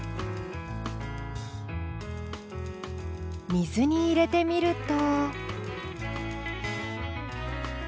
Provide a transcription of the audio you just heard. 水に入れてみると。